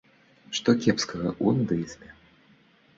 Што кепскага ў нудызме?